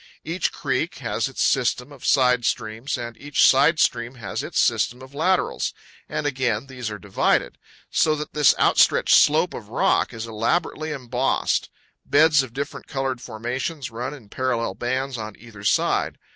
Each creek has its system of side streams and each side stream has its system of laterals, and again these are divided; so that this outstretched slope of rock is elaborately embossed. Beds of different colored formations run in parallel bands on either side.